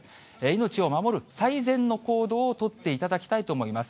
命を守る、最善の行動を取っていただきたいと思います。